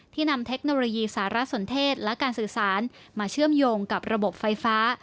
นำเทคโนโลยีสารสนเทศและการสื่อสารมาเชื่อมโยงกับระบบไฟฟ้า